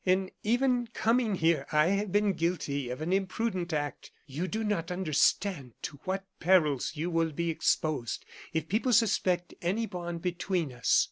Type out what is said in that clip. In even coming here I have been guilty of an imprudent act. You do not understand to what perils you will be exposed if people suspect any bond between us.